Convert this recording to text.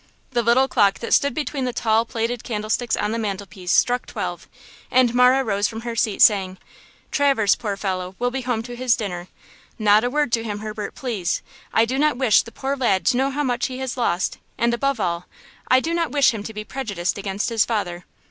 The little clock that stood between the tall, plated candlesticks on the mantelpiece struck twelve, and Marah rose from her seat, saying: "Traverse, poor fellow, will be home to his dinner. Not a word to him, Herbert, please! I do not wish the poor lad to know how much he has lost, and above all, I do not wish him to be prejudiced against his father."